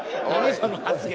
その発言。